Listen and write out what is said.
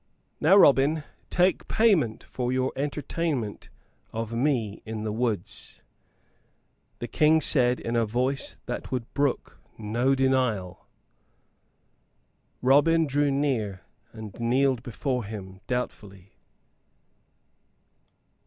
"Now, Robin, take payment for your entertainment of me in the woods," the King said, in a voice that would brook no denial. Robin drew near and kneeled before him, doubtfully.